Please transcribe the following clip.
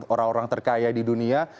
orang orang terkaya di dunia